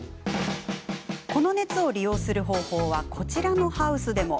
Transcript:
この熱を利用する方法はこちらのハウスでも。